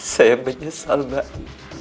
saya menyesal mbak